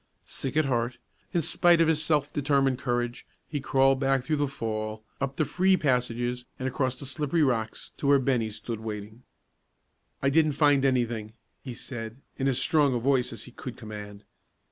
Sick at heart, in spite of his self determined courage, he crawled back through the fall, up the free passages and across the slippery rocks, to where Bennie stood waiting. "I didn't find any thing," he said, in as strong a voice as he could command.